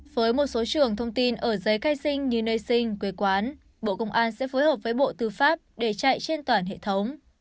với một số trường thông tin ở giấy khai sinh như nơi sinh quê quán bộ công an sẽ phối hợp với bộ tư pháp để chạy trên toàn hệ thống